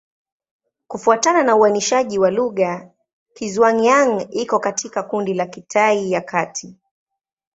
Kufuatana na uainishaji wa lugha, Kizhuang-Yang iko katika kundi la Kitai ya Kati.